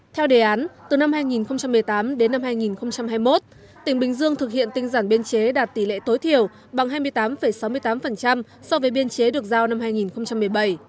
theo đề án từ năm hai nghìn một mươi tám đến năm hai nghìn hai mươi một tỉnh bình dương thực hiện tinh giản biên chế đạt tỷ lệ tối thiểu bằng hai mươi tám sáu mươi tám so với biên chế được giao năm hai nghìn một mươi bảy